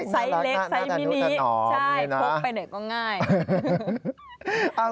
ใส่เล็กใส่มินิใช่พลุกไปเหนือก็ง่าย